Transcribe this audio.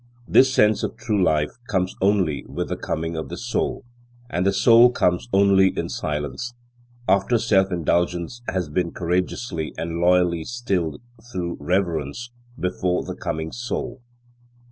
This sense of true life comes only with the coming of the soul, and the soul comes only in silence, after self indulgence has been courageously and loyally stilled, through reverence before the coming soul.